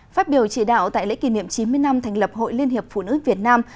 phát biểu chỉ đạo tại lễ kỷ niệm chín mươi năm thành lập hội liên hiệp phụ nữ việt nam